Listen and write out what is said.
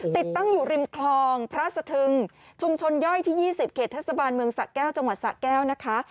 ติดตั้งอยู่ริมคลองพระสะทึงชุมชนย่อยที่๒๐เขตเทศบาลเมืองสะแก้วจังหวัดสะแก้วนะคะ